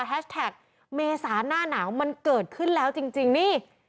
แท็กเมษาหน้าหนาวมันเกิดขึ้นแล้วจริงนี่